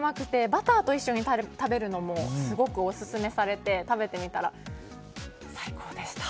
バターと一緒に食べるのもすごくオススメされて食べてみたら最高でした。